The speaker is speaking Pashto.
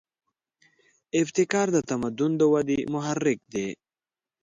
ابتکار د تمدن د ودې محرک دی.